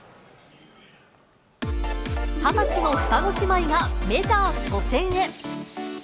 ２０歳の双子姉妹がメジャー初戦へ。